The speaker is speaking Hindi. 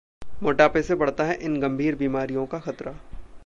मोटापे से बढ़ता है इन गंभीर बीमारियों का खतरा